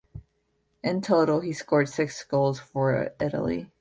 In total he scored six goals for Italy.